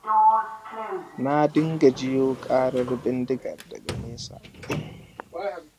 Na dinga jiyo ƙarar bindiga daga nesa.